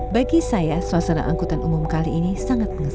bagi saya suasana angkutan umum kali ini sangat menarik